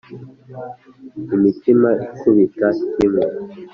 imitima ikubita kimwe.